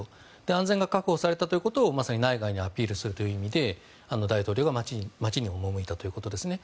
安全が確保されたということをまさに内外にアピールするという意味で大統領が街に赴いたということですね。